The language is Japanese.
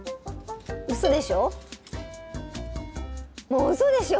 うそでしょ？